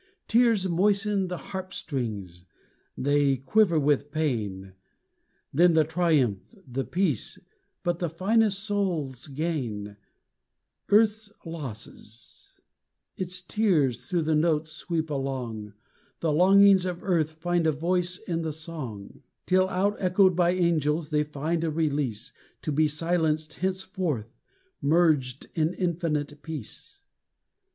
Tears moisten the harpstrings, they quiver with pain, Then the triumph, the peace but the finest souls gain Earth's losses, its tears through the notes sweep along, The longings of earth find a voice in the song, Till outechoed by angels they find a release, To be silenced henceforth, merged in infinite peace.